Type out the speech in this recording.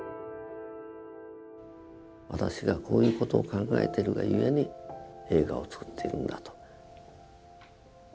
私がこういう事を考えてるがゆえに映画をつくっているんだと。